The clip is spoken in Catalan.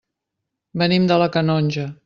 Venim de la Canonja.